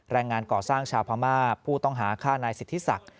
แรงงานก่อสร้างชาวพม่าผู้ต้องหาฆ่านายสิทธิศักดิ์